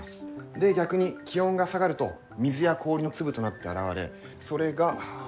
で逆に気温が下がると水や氷の粒となって現れそれが雲。